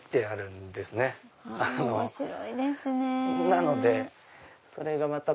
なのでそれがまた。